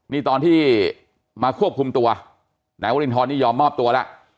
นี่ตอนที่มาควบคุมตัวนายวรินทรนี่ยอมมอบตัวแล้ว